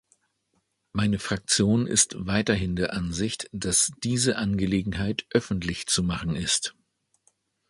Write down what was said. Meine Fraktion ist weiterhin der Ansicht, dass diese Angelegenheit öffentlich zu machen ist.